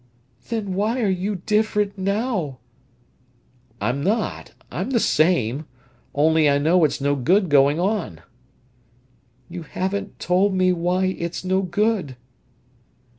"Then why are you different now?" "I'm not—I'm the same—only I know it's no good going on." "You haven't told me why it's no good."